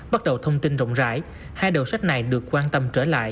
bắt đầu thông tin rộng rãi hai đầu sách này được quan tâm trở lại